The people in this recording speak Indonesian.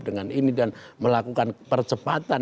dengan ini dan melakukan percepatan